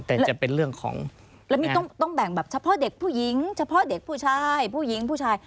แต่จะเป็นเรื่องของแล้วมีต้องแบ่งแบบเฉพาะเด็กผู้หญิงเฉพาะเด็กผู้ชายผู้หญิงผู้ชาย